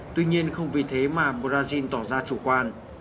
tuy nhiên không vì thế mà brazil tỏ ra chủ quan